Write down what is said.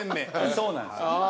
そうなんですよ。